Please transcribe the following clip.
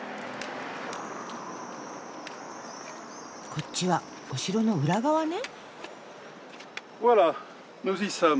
こっちはお城の裏側ね。